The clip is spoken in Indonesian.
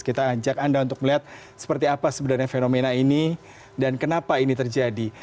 kita ajak anda untuk melihat seperti apa sebenarnya fenomena ini dan kenapa ini terjadi